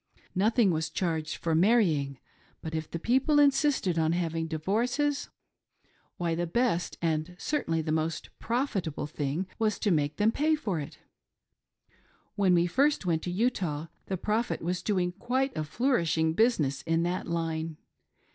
Nothing' was charged for marrying; but if the people insisted on having divorces— why, the best, and certainly the most profit able, thing was to make them pay for them. When we first went to Utah, the Prophet was doing quite a flourishing business in that line.